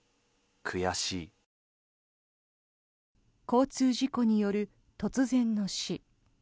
交通事故による突然の死。